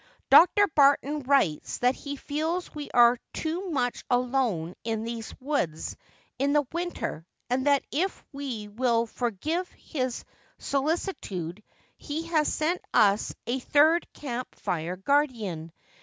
Dr. Barton writes that he feels we are too much alone in these woods in the winter and that if we will forgive his solicitude he has sent us a third Camp Fire guardian."